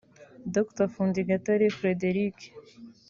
Dr Fundi Gatare Frédéric